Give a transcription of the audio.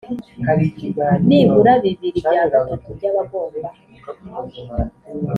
nibura bibiri bya gatatu by abagomba